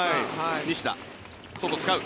西田、外使う。